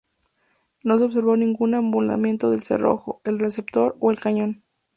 No se observó ningún abultamiento del cerrojo, el receptor o el cañón.